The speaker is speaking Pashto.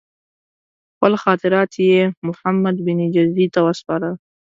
خپل خاطرات یې محمدبن جزي ته وسپارل.